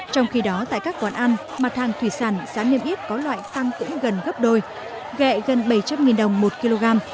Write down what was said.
trong khi đó tại các quán ăn mặt hàng thủy sản giá niêm yếp có loại tăng cũng gần gấp đôi ghẹ gần bảy trăm linh đồng một kg